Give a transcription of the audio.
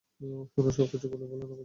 শুনুন, সবকিছু খুলে বলুন আমাদের!